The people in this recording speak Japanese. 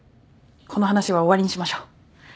この話は終わりにしましょう。